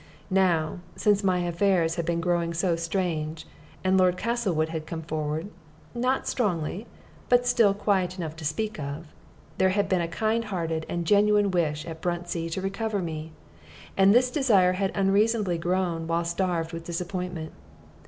Now, since my affairs had been growing so strange, and Lord Castlewood had come forward not strongly, but still quite enough to speak of there had been a kind hearted and genuine wish at Bruntsea to recover me. And this desire had unreasonably grown while starved with disappointment.